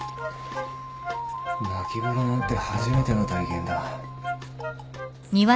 まき風呂なんて初めての体験だ。